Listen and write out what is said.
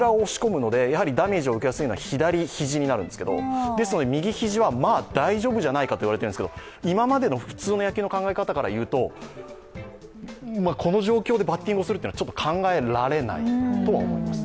やはりダメージを受けやすいのは左肘になるんですけど右肘はまあ大丈夫じゃないかと言われているんですけど今までの普通の野球の考え方からするとこの状況でバッティングをするっていうのは考えられないとは思います。